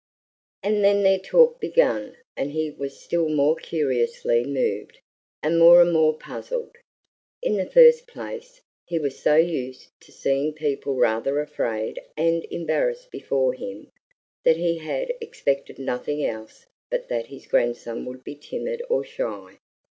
And then their talk began; and he was still more curiously moved, and more and more puzzled. In the first place, he was so used to seeing people rather afraid and embarrassed before him, that he had expected nothing else but that his grandson would be timid or shy.